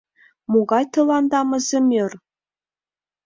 Могай тыланда мызымӧр?